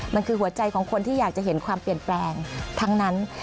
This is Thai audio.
มันคือหัวใจของคนที่อยากจะเห็นความเปลี่ยนแปลงทั้งนั้น